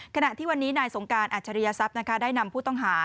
ขณะที่วันนี้นายสงการอัจฉริยศัพย์ได้นำผู้ต้องหา